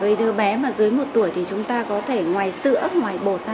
với đứa bé mà dưới một tuổi thì chúng ta có thể ngoài sữa ngoài bột